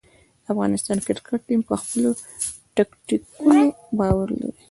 د افغان کرکټ ټیم پر خپلو ټکتیکونو باور لري.